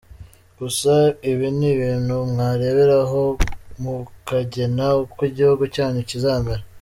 Gusa ibi ni ibintu mwareberaho mukagena uko igihugu cyanyu kizamera.